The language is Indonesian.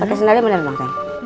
pakai sendalnya yang bener mak